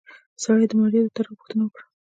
سړي د ماريا د تړاو پوښتنه وکړه.